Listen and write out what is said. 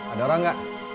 ada orang gak